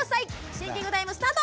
シンキングタイムスタート！